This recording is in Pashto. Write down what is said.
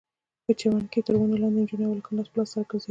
په چمن کښې تر ونو لاندې نجونې او هلکان لاس په لاس سره ګرځېدل.